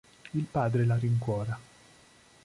Il padre la rincuora.